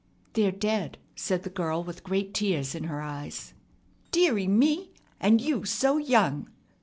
"They're dead," said the girl with great tears in her eyes. "Dearie me! And you so young!